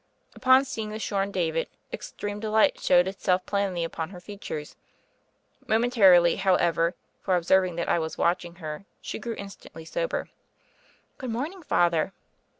Upon seeing the shorn David, extreme de light showed itself plainly upon her features — momentarily, however ; for observing that I was watching her, she grew instantly sober. "Good morning, Father."